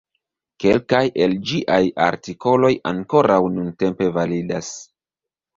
Kelkaj el ĝiaj artikoloj ankoraŭ nuntempe validas.